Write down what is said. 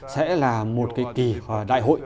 sẽ là một cái kỳ đại hội